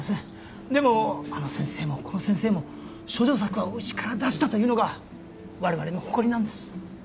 でもあの先生もこの先生も処女作をうちから出したというのがわれわれの誇りなんです